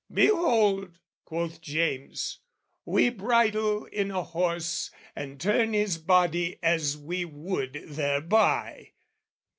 "Behold," quoth James, "we bridle in a horse "And turn his body as we would thereby!"